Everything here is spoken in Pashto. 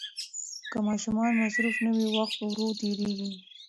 که ماشومان مصروف نه وي، وخت ورو تېریږي.